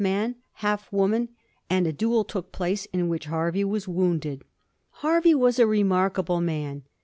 man, half woman, and a duel took place, in which Hervey was wounded. Hervey was a remarkable man.